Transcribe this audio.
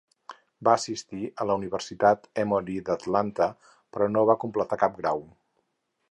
Va assistir a la Universitat Emory d'Atlanta, però no va completar cap grau.